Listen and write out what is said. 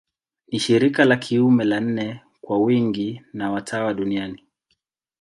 Ni shirika la kiume la nne kwa wingi wa watawa duniani.